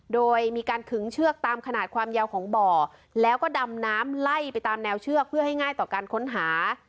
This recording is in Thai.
โดยมีการขึงเชือกตามขนาดความยาวของบ่อแล้วก็ดำน้ำไล่ไปตามแนวเชือกเพื่อให้ง่ายต่อการค้นหา